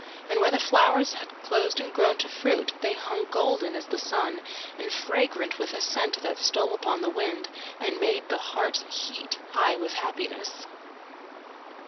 And where the flowers had closed and grown to fruit they hung golden as the sun and fragrant with a scent that stole upon the wind and made the heart heat high with happiness.